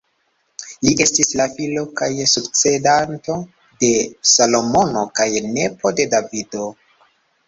Li estis la filo kaj sukcedanto de Salomono kaj nepo de Davido.